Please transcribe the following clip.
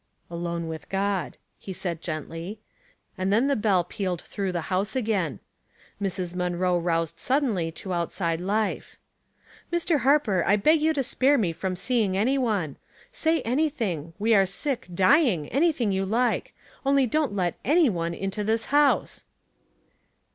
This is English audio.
" Alone with God," he said, gently ; and then the bell pealed through the house again. Mrs. Munroe roused suddenly to outside life. " Mr. Harper, I beg you to spare me from seeing any one. Say anything — we are sick, dying, anything you like ; only don't let ani/ one into this house."